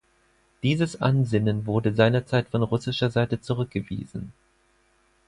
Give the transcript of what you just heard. Dieses Ansinnen wurde seinerzeit von russischer Seite zurückgewiesen.